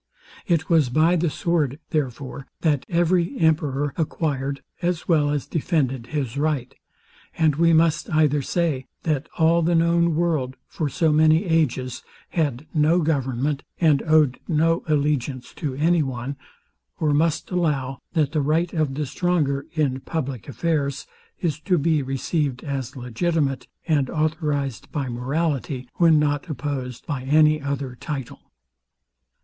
It was by the sword, therefore, that every emperor acquired, as well as defended his right; and we must either say, that all the known world, for so many ages, had no government, and owed no allegiance to any one, or must allow, that the right of the stronger, in public affairs, is to be received as legitimate, and authorized by morality, when not opposed by any other title.